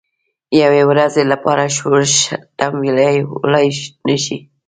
یوې ورځې لپاره ښورښ تمویلولای نه شي.